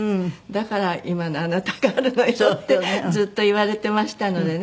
「だから今のあなたがあるのよ」ってずっと言われてましたのでね